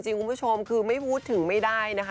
คุณผู้ชมคือไม่พูดถึงไม่ได้นะคะ